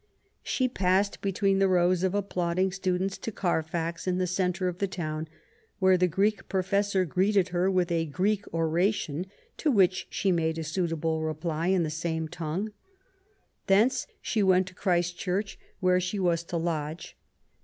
She passed between the rows of applauding students to Carfax, in the centre of the town, where the Greek professor greeted her with a Greek oration, to which she made a suitable reply in the same tongue. Thence she went to Christ Church, where she was to lodge.